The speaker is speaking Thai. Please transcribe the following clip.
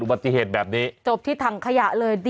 จบที่ถังขยะเลยดีที่เขาน่าจะยังประคองตัวมาได้ยังไง